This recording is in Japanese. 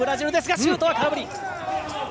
シュートは空振り。